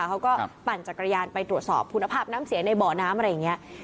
ปั่นจักรยานไปตรวจสอบคุณภาพน้ำเสียในบ่อน้ำอะไรอย่างนี้